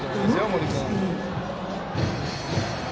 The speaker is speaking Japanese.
森君。